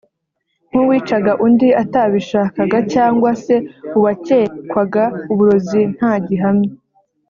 nk’uwicaga undi atabishakaga cyangwa se uwakekwaga uburozi nta gihamya